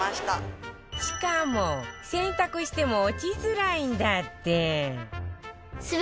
しかも洗濯しても落ちづらいんだって